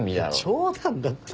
冗談だって。